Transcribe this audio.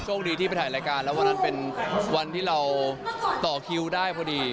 ดีที่ไปถ่ายรายการแล้ววันนั้นเป็นวันที่เราต่อคิวได้พอดี